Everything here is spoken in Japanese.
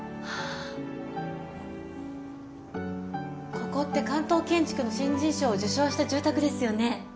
ここって関東建築の新人賞を受賞した住宅ですよね？